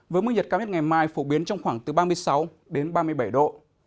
với mức nhiệt cao nhất ngày mai phổ biến trong khoảng từ ba mươi sáu đến ba mươi bảy độ